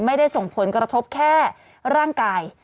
ไม่ได้ส่งผลกระทบแค่ร่างกาย